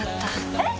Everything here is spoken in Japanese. えっ！！